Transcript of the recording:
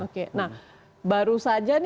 oke nah baru saja